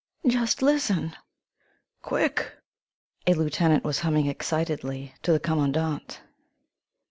"Just listen!" "Quick!" a lieutenant was humming excitedly to the commandant.